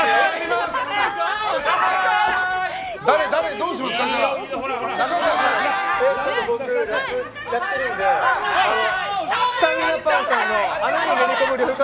どうしますか？